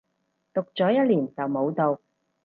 讀咗一年就冇讀